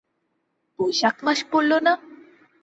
বৈশাখ মাস পড়ল না?